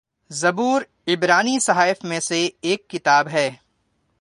زبور عبرانی صحائف میں سے ایک کتاب ہے